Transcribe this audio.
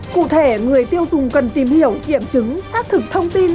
cụ thể người tiêu dùng cần tìm hiểu kiểm chứng xác thực thông tin